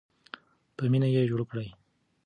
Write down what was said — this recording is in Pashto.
په مینه یې جوړ کړئ.